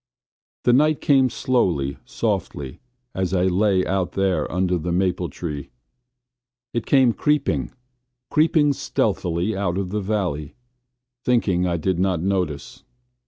The night came slowly, softly, as I lay out there under the maple tree. It came creeping, creeping stealthily out of the valley, thinking I did not notice.